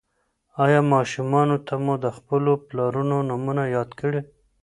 ایا ماشومانو ته مو د خپلو پلرونو نومونه یاد کړي؟